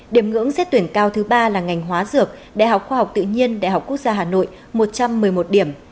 điểm ngưỡng xét tuyển cao thứ ba là ngành hóa dược đại học khoa học tự nhiên đại học quốc gia hà nội một trăm một mươi một điểm